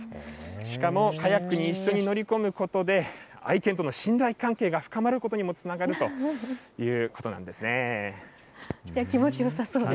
しかもカヤックに一緒に乗り込むことで、愛犬との信頼関係が深まることにもつながるということなんですね。